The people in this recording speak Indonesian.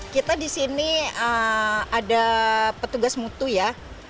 kita di sini ada petugas mutu ya